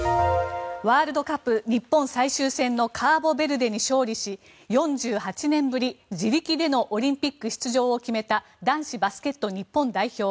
ワールドカップ、日本最終戦のカーボベルデに勝利し４８年ぶり自力でのオリンピック出場を決めた男子バスケット日本代表。